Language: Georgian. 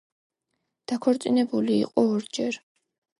დაქორწინებული იყო ორჯერ.